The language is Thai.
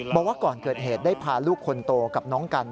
บอกว่าก่อนเกิดเหตุได้พาลูกคนโตกับน้องกัน